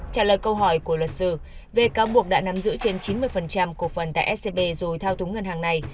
trả lời câu hỏi của luật sư về cáo buộc đã nắm giữ trên chín mươi cổ phần tại scb rồi thao túng ngân hàng này